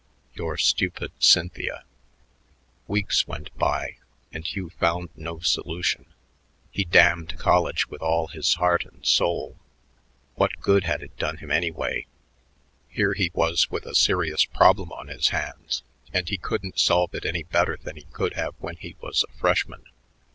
Your stupid CYNTHIA. Weeks went by, and Hugh found no solution. He damned college with all his heart and soul. What good had it done him anyway? Here he was with a serious problem on his hands and he couldn't solve it any better than he could have when he was a freshman.